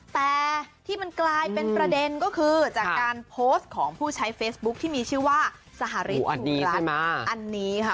แต่ที่มันกลายเป็นประเด็นก็คือจากการโพสต์ของผู้ใช้เฟซบุ๊คที่มีชื่อว่าสหรัฐอันนี้ค่ะ